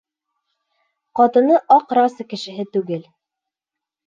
Ҡатыны аҡ раса кешеһе түгел.